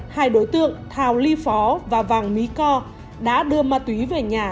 hai đối tượng thào ly phó và vàng mỹ co đã đưa ma túy về nhà